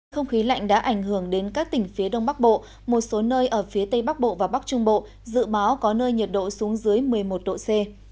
không khí lạnh đã ảnh hưởng đến các tỉnh phía đông bắc bộ một số nơi ở phía tây bắc bộ và bắc trung bộ dự báo có nơi nhiệt độ xuống dưới một mươi một độ c